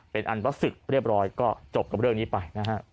เป็นอันว่าศึกเรียบร้อยก็จบกับเรื่องนี้ไปนะฮะ